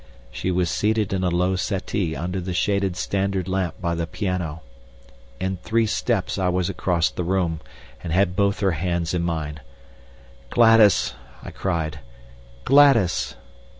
She was seated in a low settee under the shaded standard lamp by the piano. In three steps I was across the room and had both her hands in mine. "Gladys!" I cried, "Gladys!"